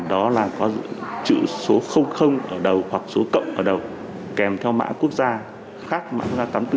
đó là có chữ số ở đầu hoặc số cộng ở đầu kèm theo mã quốc gia khác mã quốc gia tám mươi bốn